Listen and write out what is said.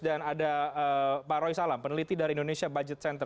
dan ada pak roy salam peneliti dari indonesia budget center